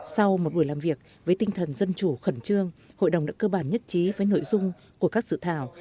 sau một buổi làm việc với tinh thần dân chủ khẩn trương hội đồng đã cơ bản nhất trí với nội dung của các sự thảo